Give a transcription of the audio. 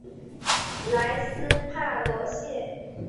莱斯帕罗谢。